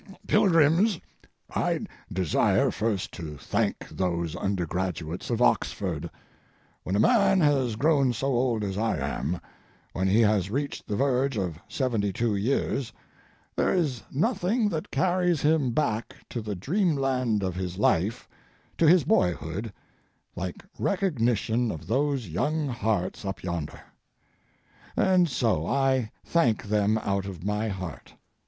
Pilgrims, I desire first to thank those undergraduates of Oxford. When a man has grown so old as I am, when he has reached the verge of seventy two years, there is nothing that carries him back to the dreamland of his life, to his boyhood, like recognition of those young hearts up yonder. And so I thank them out of my heart.